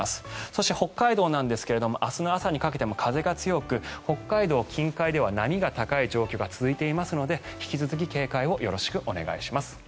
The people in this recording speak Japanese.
そして北海道ですが明日の朝にかけても風が強く、北海道近海では波が高い状況が続いていますので引き続き警戒をよろしくお願いします。